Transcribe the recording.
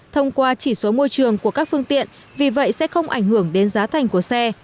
thông qua chỉ số môi trường của các phương tiện vì vậy sẽ không ảnh hưởng đến giá thành của xe